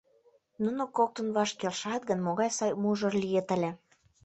«Нуно коктын ваш келшат гын, могай сай мужыр лийыт ыле.